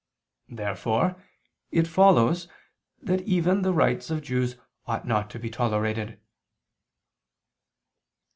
Therefore it follows that even the rites of Jews ought not to be tolerated.